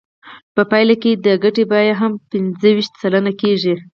په پایله کې د ګټې بیه هم پنځه ویشت سلنه کېږي